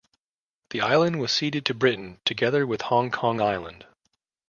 The island was ceded to Britain together with Hong Kong Island.